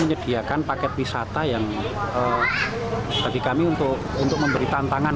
menyediakan paket wisata yang bagi kami untuk memberi tantangan